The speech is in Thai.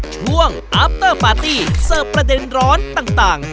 ช่วงอัพเตอร์ปาร์ตี้เสิร์ฟประเด็นร้อนต่าง